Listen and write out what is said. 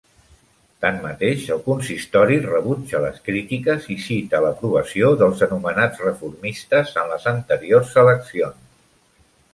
Tanmateix, el consistori rebutja les crítiques i cita l'aprovació dels anomenats reformistes en les anteriors eleccions.